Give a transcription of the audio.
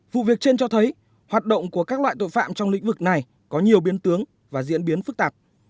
vụ việc trên cho thấy hoạt động của các loại tội phạm trong lĩnh vực này có nhiều biến tướng và diễn biến phức tạp